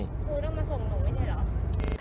ครูต้องมาส่งหนูไม่ใช่เหรอ